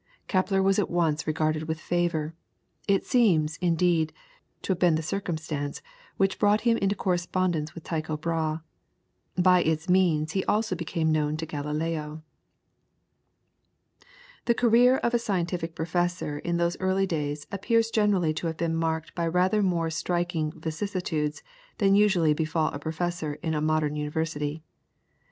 Kepler was at once regarded with favour. It seems, indeed, to have been the circumstance which brought him into correspondence with Tycho Brahe. By its means also he became known to Galileo. The career of a scientific professor in those early days appears generally to have been marked by rather more striking vicissitudes than usually befall a professor in a modern university.